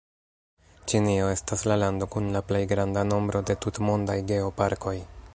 Ĉinio estas la lando kun la plej granda nombro de tutmondaj geoparkoj.